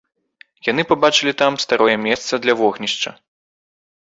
Яны пабачылі там старое месца для вогнішча.